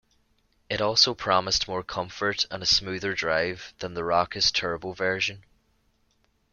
It also promised more comfort and a smoother drive than the raucous turbo version.